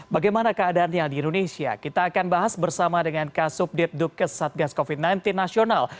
bagaimana keadaannya di indonesia kita akan bahas bersama dengan kasubdit dukes satgas covid sembilan belas nasional